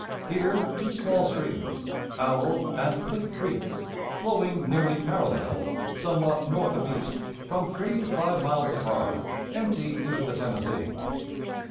Here two small streams, Owl and Lick Creeks, flowing nearly parallel, somewhat north of east, from three to five miles apart, empty into the Tennessee.